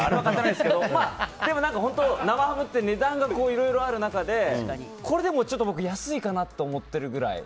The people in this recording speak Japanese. でも本当、生ハムって値段がいろいろある中でこれでも僕安いかなと思ってるくらい。